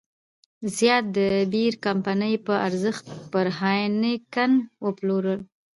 زیات د بیر کمپنۍ په ارزښت پر هاینکن وپلوره.